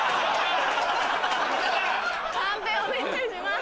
判定お願いします。